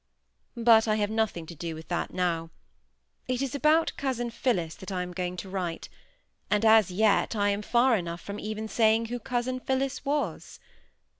But I have nothing to do with that now. It is about cousin Phillis that I am going to write, and as yet I am far enough from even saying who cousin Phillis was.